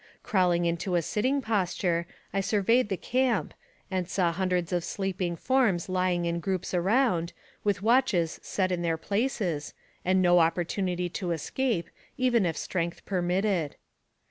Crawling into a sitting posture, I surveyed the camp, and saw hundreds of sleeping forms lying in groups around, with watches set in their places, and no opportunity to escape, even if strength per mitted.